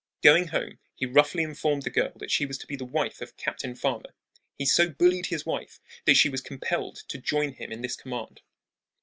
Going home, he roughly informed the girl that she was to be the wife of Captain Farmer. He so bullied his wife that she was compelled to join him in this command.